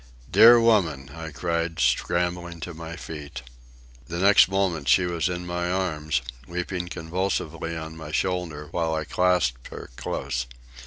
"Dear woman!" I cried, scrambling to my feet. The next moment she was in my arms, weeping convulsively on my shoulder while I clasped her close.